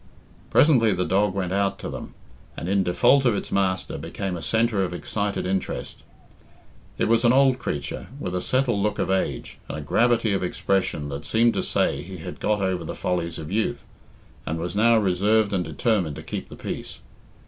Presently the dog went out to them, and, in default of its master, became a centre of excited interest. It was an old creature, with a settled look of age, and a gravity of expression that seemed to say he had got over the follies of youth, and was now reserved and determined to keep the peace.